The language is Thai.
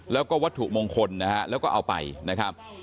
แล้วก็วัตถุมงคลนะฮะแล้วก็เอาไปนะครับ